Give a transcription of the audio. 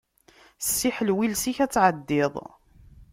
Ssiḥlew iles-ik, ad tɛeddiḍ.